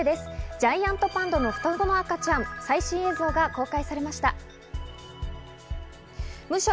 ジャイアントパンダの双子の赤ちゃん、最新映像が公開されました。